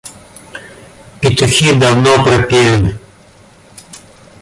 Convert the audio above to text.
Петухи давно пропели.